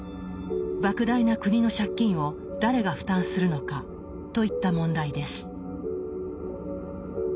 莫大な国の借金を誰が負担するのかといった問題です。